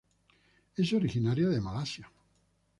Es originaria de Malasia.